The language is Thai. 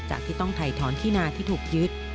ที่ต้องถ่ายถอนที่นาที่ถูกยึด